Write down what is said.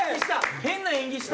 変な演技した。